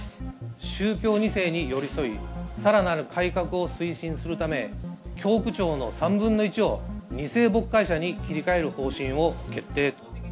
宗教２世に寄り添い、さらなる改革を推進するため、教区長の３分の１を、２世牧会者に切り替える方針を決定。